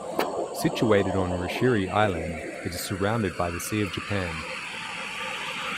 Situated on Rishiri Island, it is surrounded by the Sea of Japan.